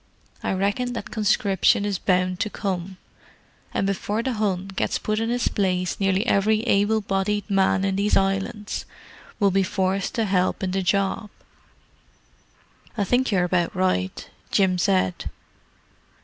I reckon that conscription is bound to come, and before the Hun gets put in his place nearly every able bodied man in these islands will be forced to help in the job." "I think you're about right," Jim said.